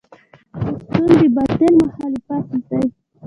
پښتون د باطل مخالف دی.